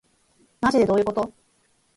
まじでどういうこと